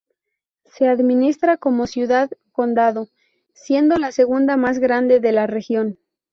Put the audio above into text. Se administra como ciudad-condado, siendo la segunda más grande de la región.